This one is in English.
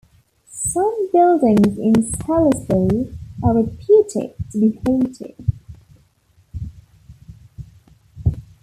Some buildings in Salisbury are reputed to be haunted.